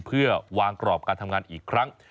เพื่อวางกรอบการทำงานอีกครั้ง